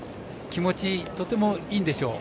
気持ち、とてもいいんでしょう。